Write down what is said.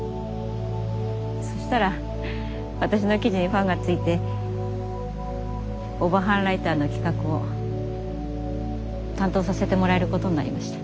そしたら私の記事にファンがついてオバハンライターの企画を担当させてもらえることになりました。